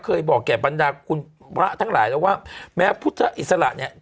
บอกแก่บรรดาคุณพระทั้งหลายแล้วว่าแม้พุทธอิสระเนี่ย